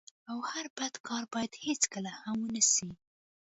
او هر بد کار بايد هيڅکله هم و نه سي.